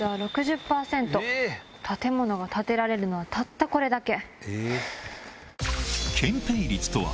建物が建てられるのはたったこれだけ。